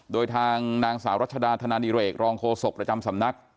โดยทางนางสาวรัชดาธนานิเรกรองโฆษกประจำสำนัก